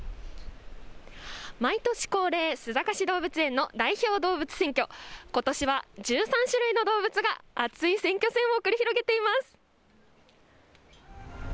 毎年恒例、須坂市動物園の代表動物選挙、ことしは１３種類の動物が熱い選挙戦を繰り広げています。